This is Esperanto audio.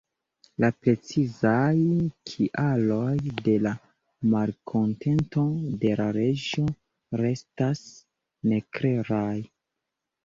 La precizaj kialoj de la malkontento de la reĝo restas neklaraj.